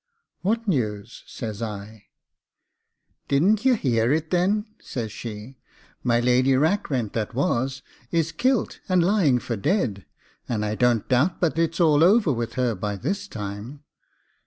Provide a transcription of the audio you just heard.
'What news?' says I. 'Didn't ye hear it, then?' says she; 'my Lady Rackrent that was is kilt and lying for dead, and I don't doubt but it's all over with her by this time.